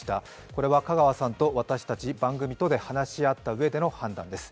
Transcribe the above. これは香川さんと私たち番組とで話し合った判断です。